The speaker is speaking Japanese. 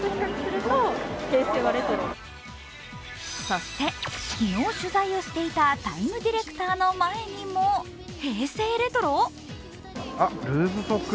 そして昨日、取材をしていた「ＴＩＭＥ，」ディレクターの前にも菊池）